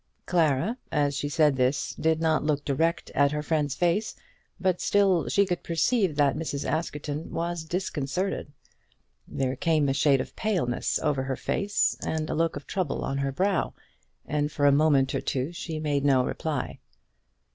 Clara, as she said this, did not look direct at her friend's face; but still she could perceive that Mrs. Askerton was disconcerted. There came a shade of paleness over her face, and a look of trouble on her brow, and for a moment or two she made no reply.